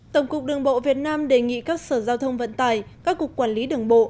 tổng cục đường bộ việt nam đề nghị các sở giao thông vận tải các cục quản lý đường bộ